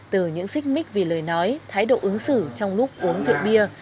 từ những xích mích vì lời nói thái độ ứng xử trong lúc uống rượu bia